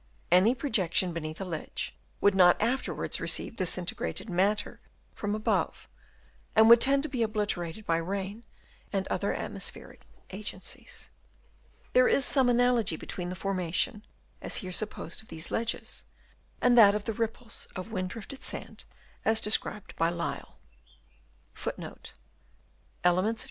Any pro jection beneath a ledge would not afterwards receive disintegrated matter from above, and would tend to be obliterated by rain and other atmospheric agencies. There is some analogy between the formation, as here sup posed, of these ledges, and that of the ripples of wind drifted sand as described by Lyell.